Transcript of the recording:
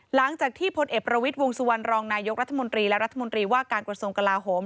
พลเอกประวิทย์วงสุวรรณรองนายกรัฐมนตรีและรัฐมนตรีว่าการกระทรวงกลาโหม